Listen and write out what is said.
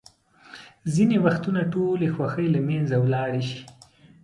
ځینې وختونه ټولې خوښۍ له منځه ولاړې شي.